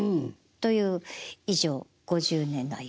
という以上５０年の歩み。